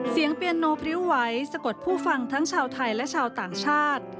เปียนโนพริ้วไหวสะกดผู้ฟังทั้งชาวไทยและชาวต่างชาติ